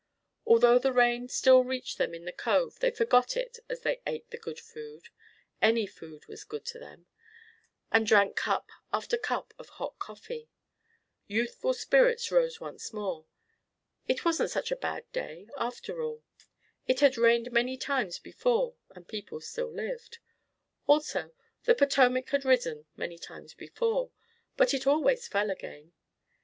Although the rain still reached them in the cove they forgot it as they ate the good food any food was good to them and drank cup after cup of hot coffee. Youthful spirits rose once more. It wasn't such a bad day after all! It had rained many times before and people still lived. Also, the Potomac had risen many times before, but it always fell again.